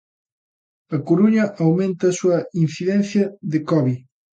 A Coruña aumenta a súa incidencia de Covid.